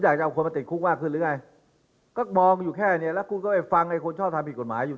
แล้วคุณก็คือฝ่ายต่อสู้ให้คนที่ถามถูกกฎหมายอยู่